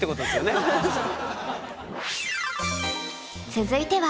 続いては